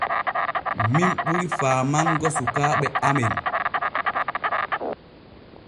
Min ɓuri faamango sukaaɓe amen.